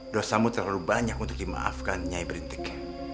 dosamu terlalu banyak untuk dimaafkan nyai berintik